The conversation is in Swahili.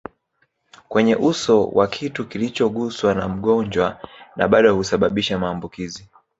kwenye uso wa kitu kilichoguswa na mgonjwa na bado kusababisha maambukizi